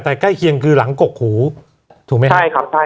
แต่ใกล้เคียงคือหลังกกหูถูกไหมครับ